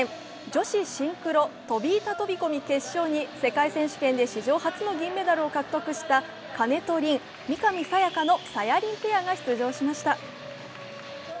女子シンクロ飛板飛込決勝に世界選手権で史上初の銀メダルを獲得した金戸凛・三上紗也可のさやりんペアが出場しました。